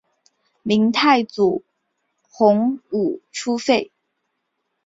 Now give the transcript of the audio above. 明太祖洪武初废。